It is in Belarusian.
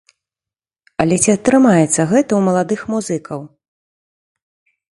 Але ці атрымаецца гэта ў маладых музыкаў?